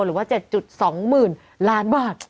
หรือว่า๗๒๐๐๐ล้านบาท